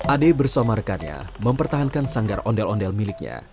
ade bersama rekannya mempertahankan sanggar ondo ondo miliknya